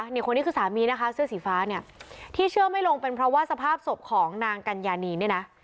นี่คนนี้คือสามีนะคะเสื้อสีฟ้าเนี่ยที่เชื่อไม่ลงเป็นเพราะว่าสภาพศพของนางกัญญานีเนี่ยนะ